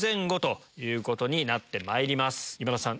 今田さん